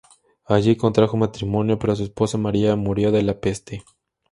Allí contrajo matrimonio, pero su esposa Maria murió de la peste.